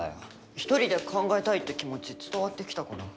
１人で考えたいって気持ち伝わってきたから。